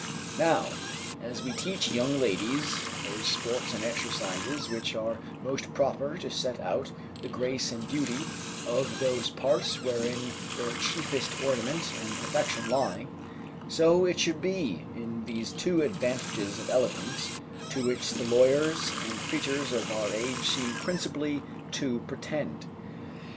Now, as we teach young ladies those sports and exercises which are most proper to set out the grace and beauty of those parts wherein their chiefest ornament and perfection lie, so it should be in these two advantages of eloquence, to which the lawyers and preachers of our age seem principally to pretend.